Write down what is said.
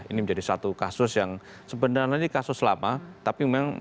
ini menjadi satu kasus yang sebenarnya ini kasus lama tapi memang